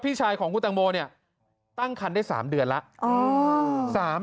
พี่ชายของคุณตังโมเนี่ยตั้งคันได้๓เดือนแล้ว